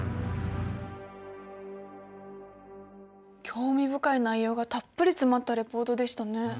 興味深い内容がたっぷり詰まったリポートでしたね。